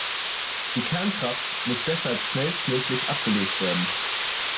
Die Kernkraft muss deshalb schnellstmöglich abgelöst werden.